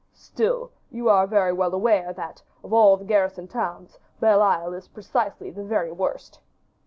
"Still you are very well aware, that, of all the garrison towns, Belle Isle is precisely the very worst."